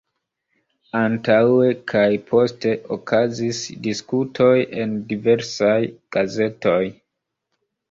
Antaŭe kaj poste okazis diskutoj en diversaj gazetoj.